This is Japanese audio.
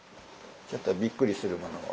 ちょっとびっくりするものを。